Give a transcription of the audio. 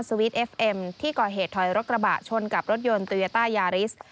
วีทเอฟเอ็มที่ก่อเหตุถอยรถกระบะชนกับรถยนต์โตยาต้ายาริส